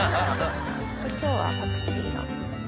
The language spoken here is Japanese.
今日はパクチーのっけて。